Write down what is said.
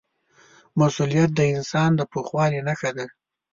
مسؤلیت د انسان د پوخوالي نښه ده.